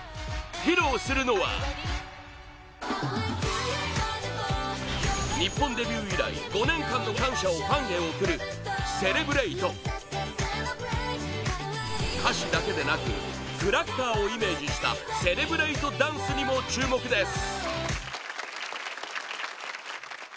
披露するのは日本デビュー以来５年間の感謝をファンへ送る「Ｃｅｌｅｂｒａｔｅ」歌詞だけでなくクラッカーをイメージした「Ｃｅｌｅｂｒａｔｅ」ダンスにも注目です！